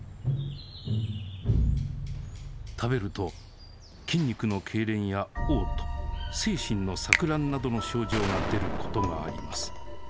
食べると筋肉のけいれんやおう吐精神の錯乱などの症状が出ることがあります。